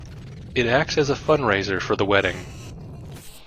It acts as a fundraiser for the wedding.